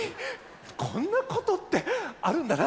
こんなことってあるんだな！